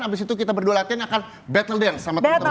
abis itu kita berdua latihan akan battle dance sama teman teman